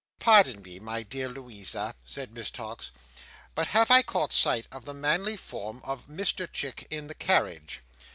"Pardon me, my dear Louisa," said Miss Tox, "but have I caught sight of the manly form of Mr Chick in the carriage?"